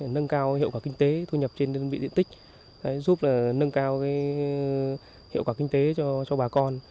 nâng cao hiệu quả kinh tế thu nhập trên đơn vị diện tích giúp nâng cao hiệu quả kinh tế cho bà con